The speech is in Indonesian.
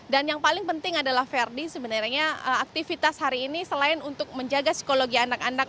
dan yang paling penting adalah verdi sebenarnya aktivitas hari ini selain untuk menjaga psikologi anak anak